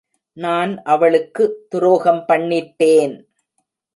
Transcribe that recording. நான் அவளுக்கு துரோகம் பண்ணிட்டேன்.